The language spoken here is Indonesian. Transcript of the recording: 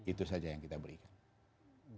itu saja yang kita berikan